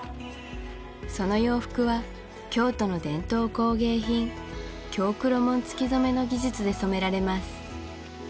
その洋服は京都の伝統工芸品京黒紋付染の技術で染められます